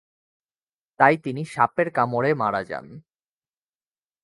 তাই তিনি সাপের কামড়ে মারা যান।